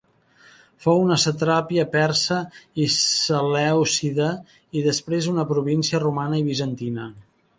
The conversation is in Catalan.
Fou una satrapia persa i selèucida, i després una província romana i bizantina.